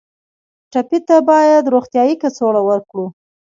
ټپي ته باید روغتیایي کڅوړه ورکړو.